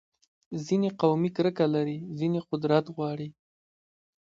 ځینې قومي کرکه لري، ځینې قدرت غواړي.